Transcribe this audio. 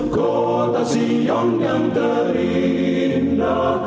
kota sion yang terindah